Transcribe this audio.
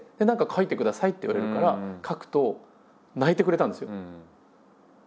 「何か書いてください」って言われるから書くと泣いてくれたんですよ。